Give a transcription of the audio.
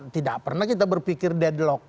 tidak pernah kita berpikir deadlock